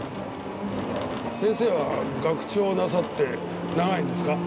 先生は学長をなさって長いんですか？